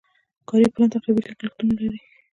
کاري پلان تقریبي لګښتونه لري.